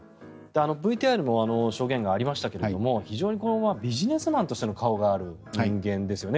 ＶＴＲでも証言がありましたが非常にビジネスマンとしての顔がある人間ですよね